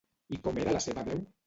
I com era la seva veu?